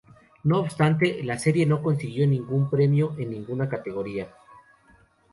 No obstante, la serie no consiguió ningún premio en ninguna categoría.